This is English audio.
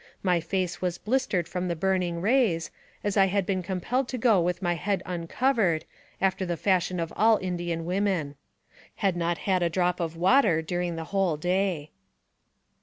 My face was blistered from the burning rays, as I had been compelled to go with my head uncovered, after the fashion of all Indian women. Had not had a drop of water during the whole day.